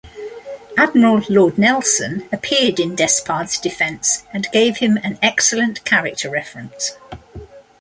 Admiral Lord Nelson appeared in Despard's defence and gave him an excellent character reference.